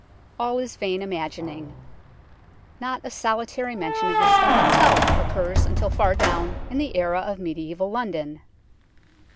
All is vain imagining. Not a solitary mention of the Stone itself occurs until far down in the era of mediaeval London.